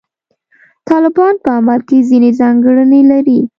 طالبان په عمل کې ځینې ځانګړنې لري.